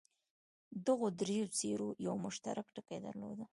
دغو دریو څېرو یو مشترک ټکی درلود.